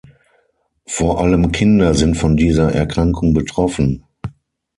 Vor allem Kinder sind von dieser Erkrankung betroffen.